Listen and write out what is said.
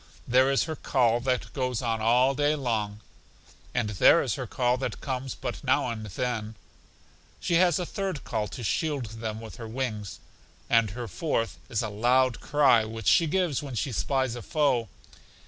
There is her call that goes on all day long; and there is her call that comes but now and then; she has a third call to shield them with her wings; and her fourth is a loud cry, which she gives when she spies a foe.